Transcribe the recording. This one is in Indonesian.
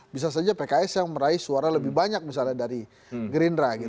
bisa saja pks yang meraih suara lebih banyak misalnya dari gerindra gitu